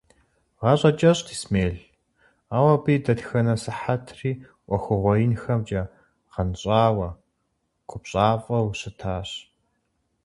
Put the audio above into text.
ГъащӀэ кӀэщӀт Исмел, ауэ абы и дэтхэнэ сыхьэтри Ӏуэхугъуэ инхэмкӀэ гъэнщӀауэ, купщӀафӀэу щытащ.